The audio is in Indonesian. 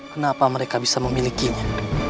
kenapa mereka bisa memilikinya